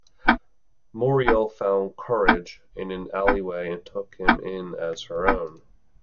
Muriel found Courage in an alleyway and took him in as her own.